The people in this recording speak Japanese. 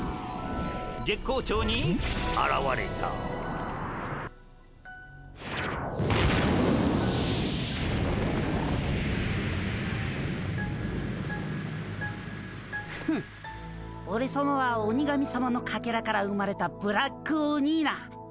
月光町にあらわれたフッオレさまは鬼神さまのかけらから生まれたブラックオニーナ。